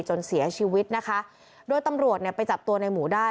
จนเสียชีวิตนะคะโดยตำรวจเนี่ยไปจับตัวในหมูได้